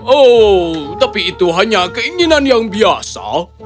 oh tapi itu hanya keinginan yang biasa